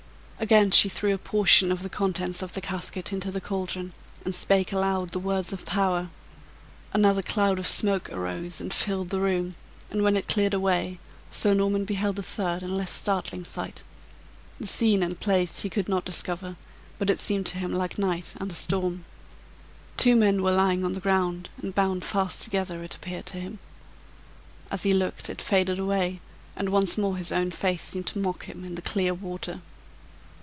Again she threw a portion of the contents of the casket into the caldron, and "spake aloud the words of power." Another cloud of smoke arose and filled the room, and when it cleared away, Sir Norman beheld a third and less startling sight. The scene and place he could not discover, but it seemed to him like night and a storm. Two men were lying on the ground, and bound fast together, it appeared to him. As he looked, it faded away, and once more his own face seemed to mock him in the clear water.